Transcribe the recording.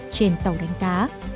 trên tàu đánh cá